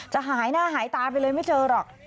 หายหน้าหายตาไปเลยไม่เจอหรอก